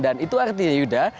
dan itu artinya yuda